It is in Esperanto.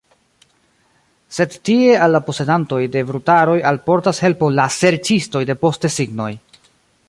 Sed tie al la posedantoj de brutaroj alportas helpon la serĉistoj de postesignoj.